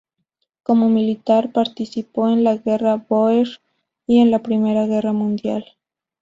Como militar, participó en la Guerra Bóer y en la Primera Guerra Mundial.